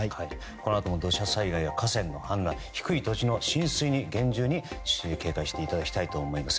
このあとも土砂災害や河川の氾濫低い土地の浸水に厳重に警戒していただきたいと思います。